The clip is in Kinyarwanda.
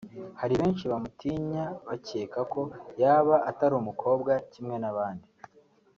hari benshi bamutinya bakeka ko yaba atari umukobwa kimwe n’abandi